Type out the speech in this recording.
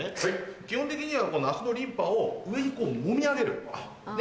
基本的にはこの足のリンパを上にもみ上げる！ね？